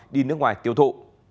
đi nước ngoài tiêu thụ